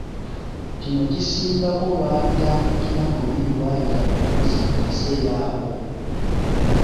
Kino kisingako lw’abitandikira mu lulimi lw’ayiga obuyizi mu kaseera ako.